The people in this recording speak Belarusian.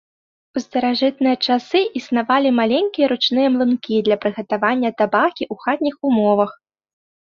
У старажытныя часы існавалі маленькія ручныя млынкі для прыгатавання табакі ў хатніх умовах.